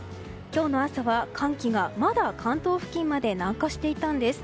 今日の朝は寒気がまだ関東付近まで南下していたんです。